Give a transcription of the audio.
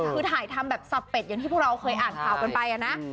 คือถ่ายทำแบบสเป็ดอย่างที่พวกเราเคยอ่านข่าวกันไปนะ